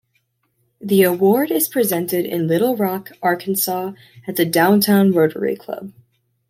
The award is presented in Little Rock, Arkansas at the Downtown Rotary Club.